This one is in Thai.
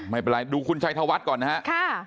ไม่เป็นไรดูคุณชัยธวัฒน์ก่อนนะครับ